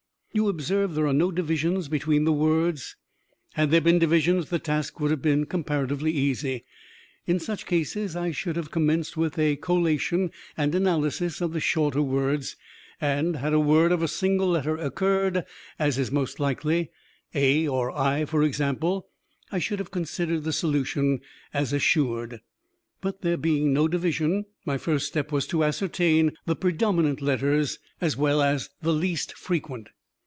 "You observe there are no divisions between the words. Had there been divisions the task would have been comparatively easy. In such cases I should have commenced with a collation and analysis of the shorter words, and, had a word of a single letter occurred, as is most likely (a or I, for example), I should have considered the solution as assured. But, there being no division, my first step was to ascertain the predominant letters, as well as the least frequent.